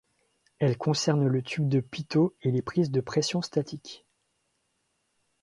Elle concerne le tube de Pitot et les prises de pression statique.